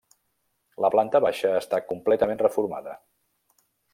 La planta baixa està completament reformada.